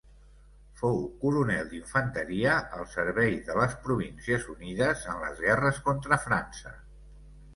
Fou coronel d'infanteria al servei de les Províncies Unides en les guerres contra França.